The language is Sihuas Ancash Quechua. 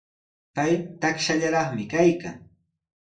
Pay takshallaraqmi kaykan.